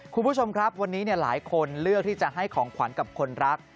คุณผู้ชมครับวันนี้หลายคนเลือกที่จะให้ของขวัญกับคนรัก